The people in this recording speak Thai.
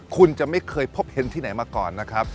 คุณจะไม่เคยพบเห็นที่ไหนมาก่อนนะครับ